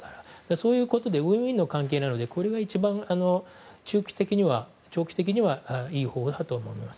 そういうことでウィンウィンの関係なのでこれが一番長期的にはいい方法だと思います。